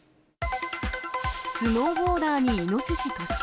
スノーボーダーにイノシシ突進。